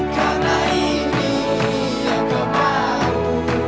karena ini yang kemaru